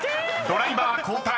［ドライバー交代］